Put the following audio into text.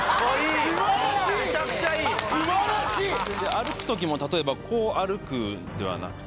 歩くときも例えばこう歩くんではなくて。